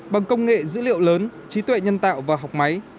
bằng công nghệ dữ liệu lớn trí tuệ nhân tạo và học máy